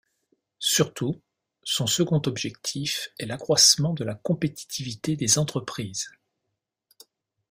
Surtout, son second objectif est l’accroissement de la compétitivité des entreprises.